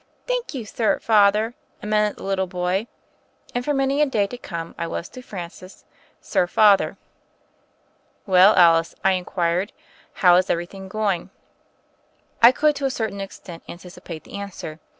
"Thank you, sir Father," amended the little boy. And for many a day to come I was to Francis "Sir Father." "Well, Alice," I inquired, "how is every thing going?" I could to a certain extent anticipate the answer.